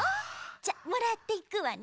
じゃあもらっていくわね。